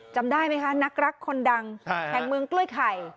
จำได้ไหมคะนักรักคนดังแห่งเมืองกล้วยไข่